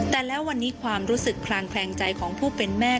แต่แล้ววันนี้ความรู้สึกคลางแคลงใจของผู้เป็นแม่